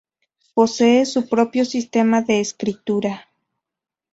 Posee su propio sistema de escritura.